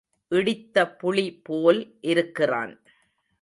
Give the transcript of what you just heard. இடித்த புளி போல் இருக்கிறான்.